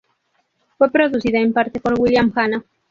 Fue producida en parte por William Hanna.